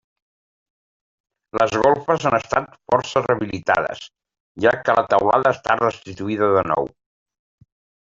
Les golfes han estat força rehabilitades, ja que la teulada ha estat restituïda de nou.